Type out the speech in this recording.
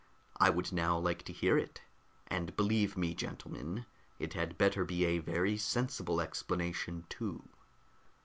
I would now like to hear it. And believe me, gentlemen, it had better be a very sensible explanation, too."